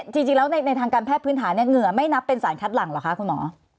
จริงแล้วในทางการแพทย์พื้นฐานเนี่ยเหงื่อไม่นับเป็นสารคัดหลังเหรอคะคุณหมอ